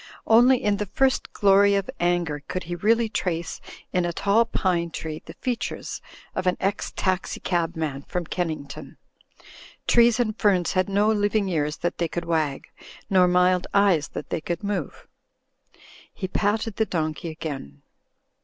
Only in the first glory of anger could he really trace in a tall pine tree the fea ^ Digitized by CjOOQ IC 194 THE FLYING INN tures of an ex taxi cabman from Kennington. Trees and ferns had no living ears that they could wag nor mild eyes that they could move. He patted the don key again.